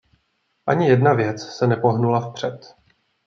Ani jedna věc se nepohnula vpřed.